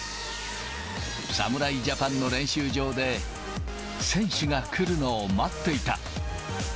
侍ジャパンの練習場で、選手が来るのを待っていた。